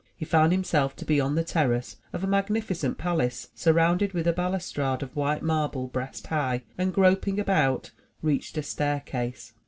He found himself to be on the terrace of a magnificent palace surrounded with a balustrade of white marble breast high, and, groping about, reached a staircase.